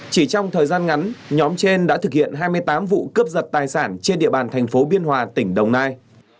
chỉ trong thời gian ngắn nhóm trên đã thực hiện hai mươi tám vụ cướp giật tài sản trên địa bàn thành phố biên hòa tỉnh đồng nai